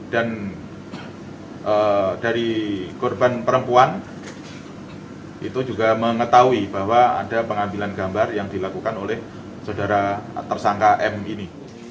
dan dari korban perempuan itu juga mengetahui bahwa ada pengambilan gambar yang dilakukan oleh saudara tersangka m ini